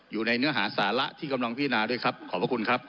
อยู่ในเนื้อหาสาระที่กำลังพิจารณาด้วยครับขอบพระคุณครับ